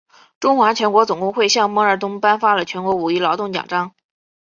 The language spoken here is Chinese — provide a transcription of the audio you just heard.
中华全国总工会向孟二冬颁发了全国五一劳动奖章。